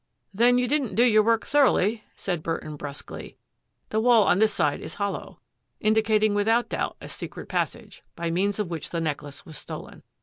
" Then you didn't do your work thoroughly," said Burton brusquely. " The wall on this side is hollow, indicating without doubt a secret passage, by means of which the necklace was stolen.